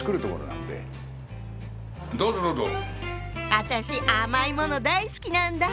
私甘いもの大好きなんだ。